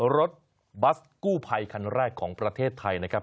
รถบัสกู้ภัยคันแรกของประเทศไทยนะครับ